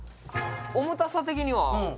「重たさ的には」